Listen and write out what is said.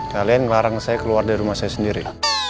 kalian ngelarang saya keluar dari rumah saya sendiri